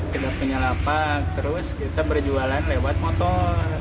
kita punya lapak terus kita berjualan lewat motor